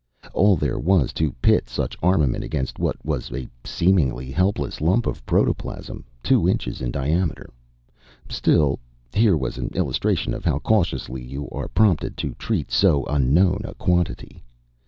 All there was to pit such armament against was a seemingly helpless lump of protoplasm, two inches in diameter. Still, here was an illustration of how cautiously you are prompted to treat so unknown a quantity.